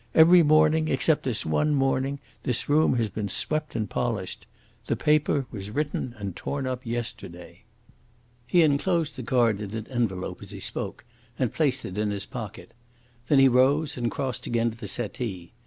Every morning, except this one morning, this room has been swept and polished. The paper was written and torn up yesterday." He enclosed the card in an envelope as he spoke, and placed it in his pocket. Then he rose and crossed again to the settee.